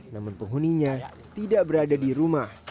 namun penghuninya tidak berada di rumah